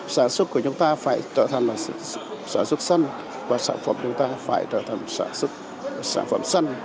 sản xuất của chúng ta phải trở thành sản xuất xanh và sản phẩm chúng ta phải trở thành sản xuất sản phẩm xanh